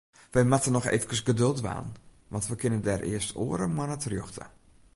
Wy moatte noch eefkes geduld dwaan, want we kinne dêr earst oare moanne terjochte.